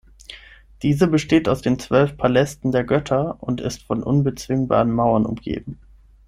Diese besteht aus den zwölf Palästen der Götter und ist von unbezwingbaren Mauern umgeben.